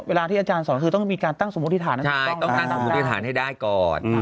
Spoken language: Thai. เวลาที่อาจารย์สอนคือต้องมีการตั้งสมมุติฐานใช่ต้องตั้งสมมุติฐานให้ได้ก่อน